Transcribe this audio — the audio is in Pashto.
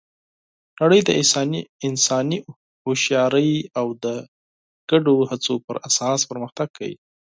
نړۍ د انساني هوښیارۍ او د ګډو هڅو پر اساس پرمختګ کوي.